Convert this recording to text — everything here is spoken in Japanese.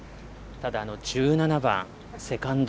ただ、１７番、セカンド。